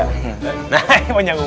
nah ini mau nyanggung